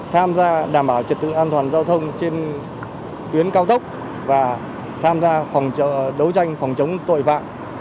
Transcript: tham gia đảm bảo trật tự an toàn giao thông trên tuyến cao tốc và tham gia phòng đấu tranh phòng chống tội phạm